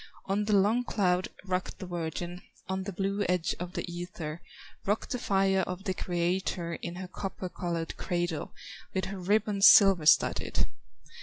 On the long cloud rocked the virgin, On the blue edge of the ether, Rocked the fire of the Creator, In her copper colored cradle, With her ribbons silver studded.